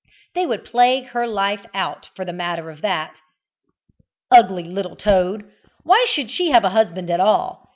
They would plague her life out, for the matter of that. Ugly little toad! why should she have a husband at all?